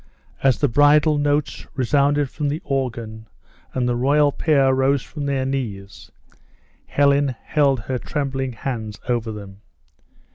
As the bridal notes resounded from the organ, and the royal pair rose from their knees, Helen held her trembling hands over them.